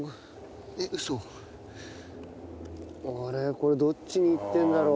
これどっちにいってるんだろう？